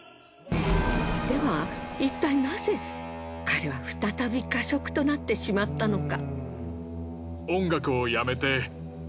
ではいったいナゼ彼は再び過食となってしまったのか？